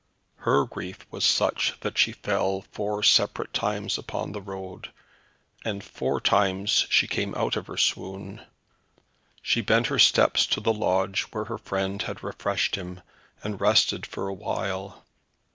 Her grief was such that she fell four separate times upon the road, and four times she came from out her swoon. She bent her steps to the lodge where her friend had refreshed him, and rested for awhile.